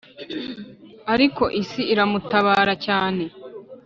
Ariko isi iramutabara cyane